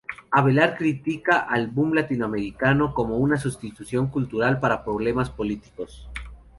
Avelar critica al Boom latinoamericano como una sustitución cultural para problemas políticos.